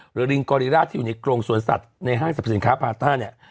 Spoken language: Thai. ลิงกอริราชที่อยู่ในกรงสวนสัตว์ในห้างสรรพสินค้าพาต้าเนี่ย